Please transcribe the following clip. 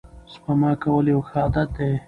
سپما کول یو ښه عادت دی.